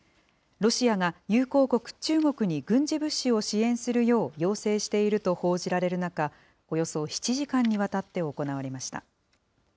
ロシアが友好国、中国に軍事物資を支援するよう、要請していると報じられる中、およそ７時間にわたって行われました。